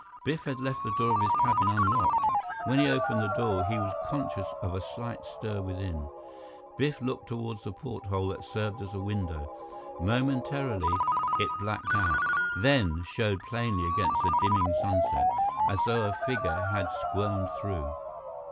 Biff had left the door of his cabin unlocked. When he opened the door, he was conscious of a slight stir within. Biff looked toward the porthole that served as a window. Momentarily, it blacked out, then showed plainly against the dimming sunset, as though a figure had squirmed through.